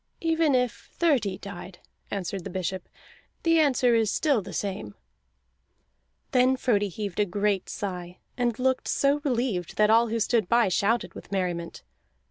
"Even if thirty died," answered the bishop, "the answer is still the same." Then Frodi heaved a great sigh, and looked so relieved that all who stood by shouted with merriment.